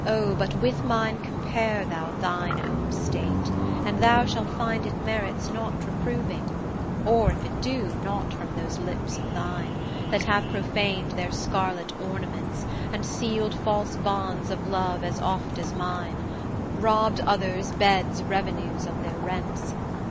but with mine compare thou thine own state, And thou shalt find it merits not reproving; Or, if it do, not from those lips of thine, That have profan'd their scarlet ornaments And seal'd false bonds of love as oft as mine, Robb'd others' beds' revenues of their rents.